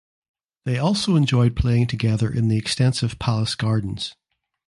They also enjoyed playing together in the extensive palace gardens.